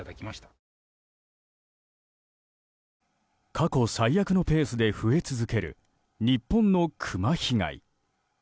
過去最悪のペースで増え続ける日本のクマ被害。